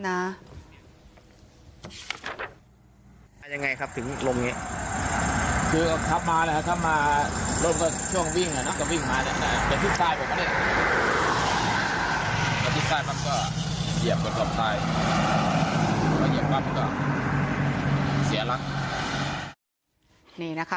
นี่นะคะ